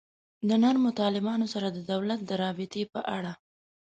د نرمو طالبانو سره د دولت د رابطې په اړه.